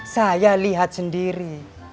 saya lihat sendiri